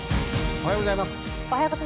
おはようございます。